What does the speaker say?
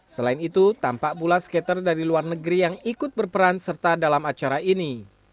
selain itu tampak pula skater dari luar negeri yang ikut berperan serta dalam acara ini